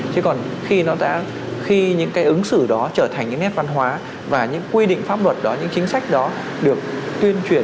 chứ còn khi những cái ứng xử đó trở thành những nét văn hóa và những quy định pháp luật đó những chính sách đó được tuyên truyền